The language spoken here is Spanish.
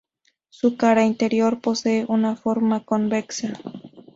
Su cara anterior, posee una forma convexa.